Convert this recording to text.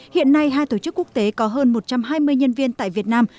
hiện nay hai tổ chức quốc tế có hơn một trăm hai mươi nhân viên tại việt nam